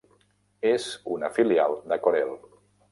És una filial de Corel.